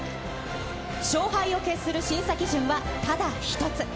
勝敗を決する審査基準は、ただ一つ。